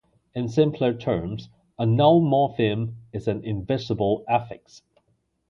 In simpler terms, a null morpheme is an "invisible" affix.